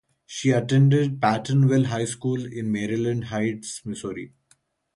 She attended Pattonville High School in Maryland Heights, Missouri.